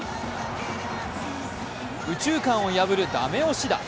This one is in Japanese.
右中間を破るダメ押し打。